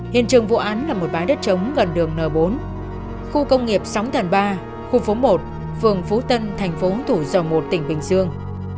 hiện trường vụ án là một bãi đất trống gần đường n bốn khu công nghiệp sóng thần ba khu phố một phường phú tân thành phố thủ dầu một tỉnh bình dương